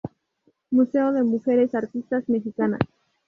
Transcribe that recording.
Museo de mujeres artistas mexicanas.